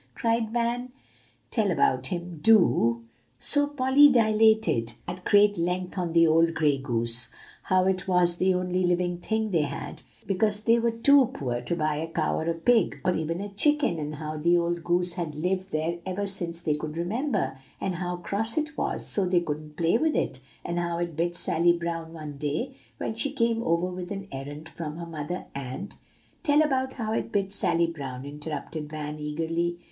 cried Van. "Tell about him, do." So Polly dilated at great length on the old gray goose, how it was the only living thing they had, because they were too poor to buy a cow or a pig, or even a chicken, and how the old goose had lived there ever since they could remember, and how cross it was, so they couldn't play with it, and how it bit Sally Brown one day, when she came over with an errand from her mother, and "Tell about how it bit Sally Brown," interrupted Van eagerly.